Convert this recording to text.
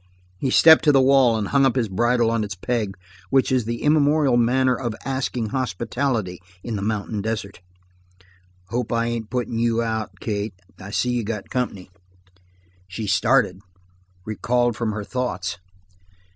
He stepped to the wall and hung up his bridle on its peg, which is the immemorial manner of asking hospitality in the mountain desert. "Hope I ain't puttin' you out, Kate. I see you got company." She started, recalled from her thoughts.